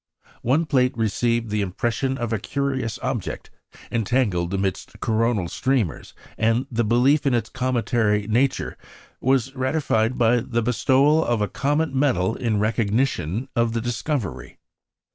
One plate received the impression of a curious object, entangled amidst coronal streamers, and the belief in its cometary nature was ratified by the bestowal of a comet medal in recognition of the discovery.